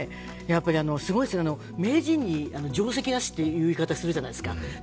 すごいですよね、名人に定跡なしって言い方するじゃないですか。